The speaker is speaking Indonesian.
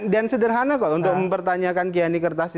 dan sederhana kok untuk mempertanyakan kiani kertas